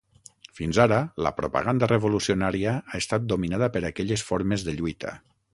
Fins ara, la propaganda revolucionària ha estat dominada per aquelles formes de lluita.